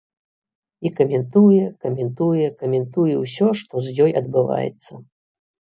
І каментуе, каментуе, каментуе ўсё, што з ёй адбываецца.